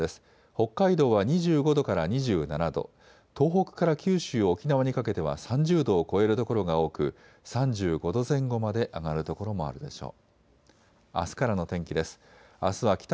北海道は２５度から２７度、東北から九州・沖縄にかけては３０度を超える所が多く３５度前後まで上がる所もあるでしょう。